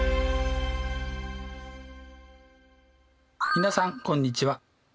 皆さんこんにちは。